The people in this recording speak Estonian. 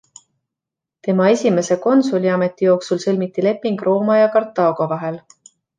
Tema esimese konsuliameti jooksul sõlmiti leping Rooma ja Kartaago vahel.